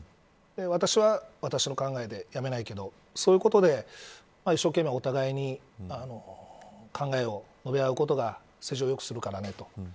私は、私の考えで辞めないけどそういうことで一生懸命お互いに考えを述べ合うことが政治を良くするからねと。